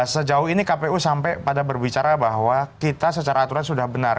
sejauh ini kpu sampai pada berbicara bahwa kita secara aturan sudah benar